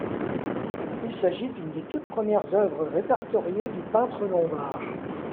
Il s'agit d'une des toutes premières œuvres répertoriées du peintre lombard.